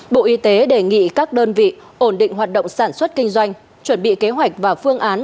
bộ y tế đề nghị các đơn vị ổn định hoạt động sản xuất kinh doanh chuẩn bị kế hoạch và phương án